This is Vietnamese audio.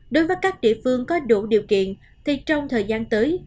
đối với các địa phương có đủ điều kiện thì trong thời gian tới